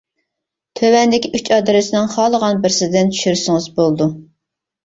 تۆۋەندىكى ئۈچ ئادرېسنىڭ خالىغان بىرسىدىن چۈشۈرسىڭىز بولىدۇ.